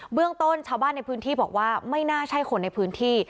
เรื่องต้นชาวบ้านในพื้นที่บอกว่าไม่น่าใช่คนในพื้นที่